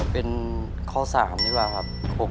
เป็นข้อ๓ดีกว่าครับ